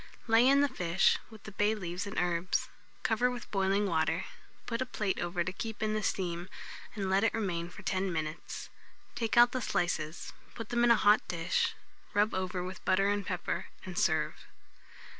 Lay in the fish, with the bay leaves and herbs; cover with boiling water; put a plate over to keep in the steam, and let it remain for 10 minutes. Take out the slices, put them in a hot dish, rub over with butter and pepper, and serve.